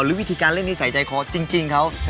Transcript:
หรือวิธีการเล่นที่ใส่ใจเขาจริงเขา